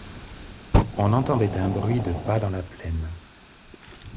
On entendait un bruit de pas dans la plaine.